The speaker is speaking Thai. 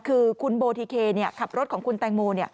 คือคุณโบทิเคขับรถของคุณแตงโม